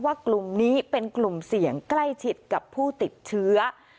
กลุ่มนี้เป็นกลุ่มเสี่ยงใกล้ชิดกับผู้ติดเชื้อ